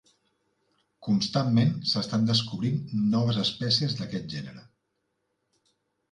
Constantment s'estan descobrint noves espècies d'aquest gènere.